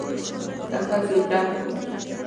له ښځو ډک ول.